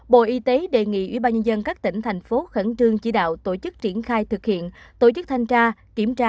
bộ y tế đề nghị ubnd các tỉnh thành phố khẩn trương chỉ đạo tổ chức triển khai thực hiện tổ chức thanh tra kiểm tra